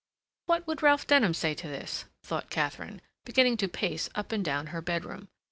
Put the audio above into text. "What would Ralph Denham say to this?" thought Katharine, beginning to pace up and down her bedroom.